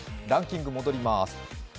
ランキング戻ります。